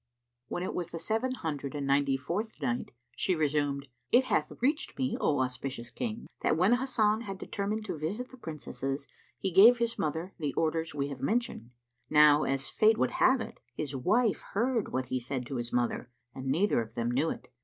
When it was the Seven Hundred and Ninety fourth Night, She resumed, It hath reached me, O auspicious King, that when Hasan had determined to visit the Princesses, he gave his mother the orders we have mentioned.[FN#85] Now, as Fate would have it, his wife heard what he said to his mother and neither of them knew it.